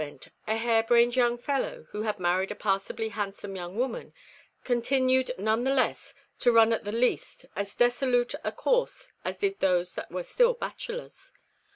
It happened also that during Advent a hare brained young fellow, who had married a passably handsome young woman, continued none the less to run at the least as dissolute a course as did those that were still bachelors.